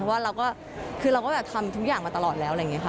เพราะว่าเราก็คือเราก็แบบทำทุกอย่างมาตลอดแล้วอะไรอย่างนี้ค่ะ